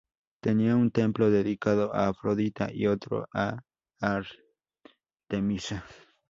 Tenía un templo dedicado a Afrodita y otro a Artemisa.